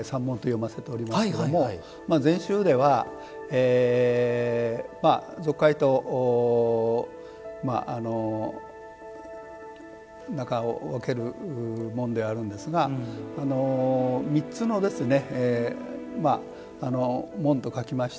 通常、山門というのは山の門と書いて山門と読ませておりますけれども禅宗では俗界と中を分ける門であるんですが三つの門と書きまして。